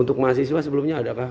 untuk mahasiswa sebelumnya ada kah